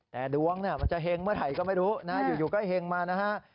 แต่ดวงมันจะเห็งเมื่อไหร่ก็ไม่รู้นะอยู่ก็เฮงมานะฮะ